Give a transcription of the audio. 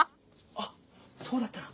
あっそうだったな。